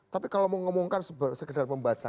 tapi kalau mau ngomongkan segedar membaca